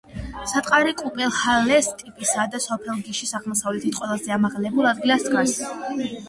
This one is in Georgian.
საყდარი კუპელჰალეს ტიპისაა და სოფელ გიშის აღმოსავლეთით, ყველაზე ამაღლებულ ადგილას დგას.